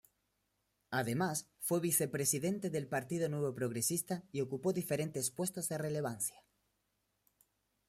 Además, fue Vice-presidente del Partido Nuevo Progresista y ocupó diferentes puestos de relevancia.